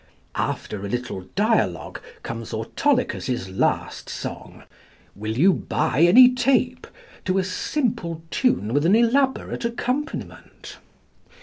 After a little dialogue comes Autolycus's last song, "Will you buy any tape?" to a simple tune with an elaborate accompaniment.